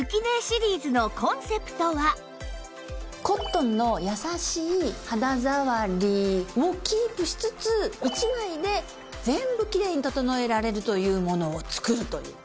コットンの優しい肌触りをキープしつつ１枚で全部きれいに整えられるという物を作るという。